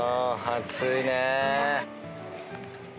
暑いね！